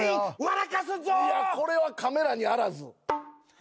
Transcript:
これはカメラにあらず。